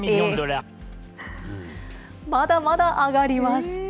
まだまだ上がります。